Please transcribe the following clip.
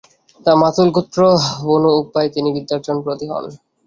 তাঁর মাতুল গোত্র বনু উকবায় তিনি বিদ্যার্জনে ব্রতী হন।